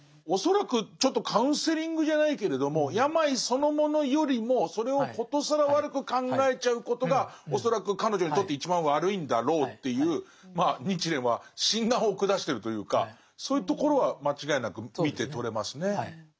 恐らくちょっとカウンセリングじゃないけれども病そのものよりもそれを殊更悪く考えちゃうことが恐らく彼女にとって一番悪いんだろうというまあ日蓮は診断を下してるというかそういうところは間違いなく見て取れますね。